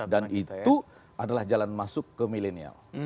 dan itu adalah jalan masuk ke milenial